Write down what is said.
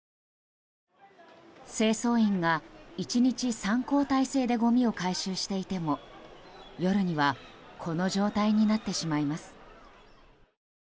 清掃員が１日３交代制でごみを回収していても夜にはこの状態になってしまいます。